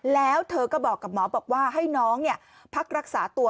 แล้วเธอก็บอกกับหมอบอกว่าให้น้องพักรักษาตัว